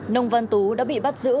nông văn tú đã bị bắt giữ